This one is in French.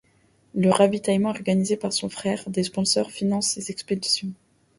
Le ravitaillement est organisé par son frère et des sponsors financent ses expéditions.